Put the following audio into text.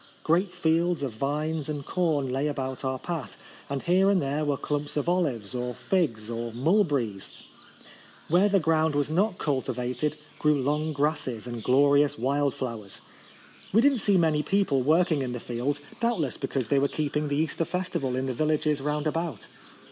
Great fields of vines and corn lay about our path, and here and there were clumps of olives, or figs, or mul berries. Where the ground was not cultivated grew long grasses and glorious wild flowers. We did not see many people working in the fields, doubtless because they were keeping the Easter festival in the villages round about.